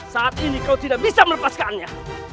saat ini kau tidak bisa melepaskannya